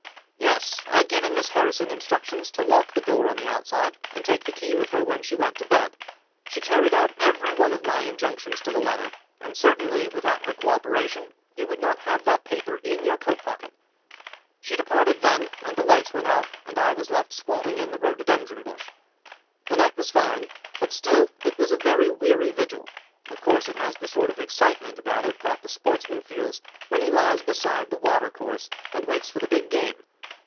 "Yes; I had given Miss Harrison instructions to lock the door on the outside and take the key with her when she went to bed. She carried out every one of my injunctions to the letter, and certainly without her co operation you would not have that paper in your coat pocket. She departed then and the lights went out, and I was left squatting in the rhododendron bush. "The night was fine, but still it was a very weary vigil. Of course it has the sort of excitement about it that the sportsman feels when he lies beside the water course and waits for the big game.